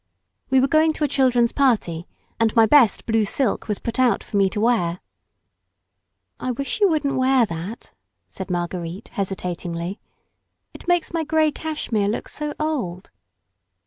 We were going to a children's party, and my best blue silk was put out for me to wear. "I wish you wouldn't near that," said Marguerite hesitatingly, "it makes my grey cashmere look so old."